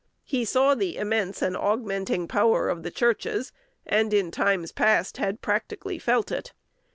He saw the immense and augmenting power of the churches, and in times past had practically felt it.